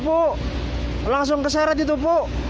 ya allah belikan saya keselamatan